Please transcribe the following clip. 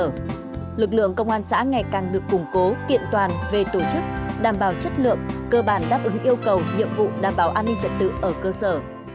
chất lượng cơ bản đáp ứng yêu cầu nhiệm vụ đảm bảo an ninh trật tự ở cơ sở